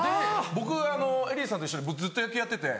僕ＥＬＬＹさんと一緒でずっと野球やってて。